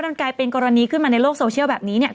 มันกลายเป็นกรณีขึ้นมาในโลกโซเชียลแบบนี้เนี่ย